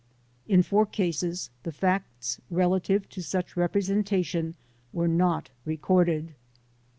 In 4 cases the facts relative to such representation were not re corded.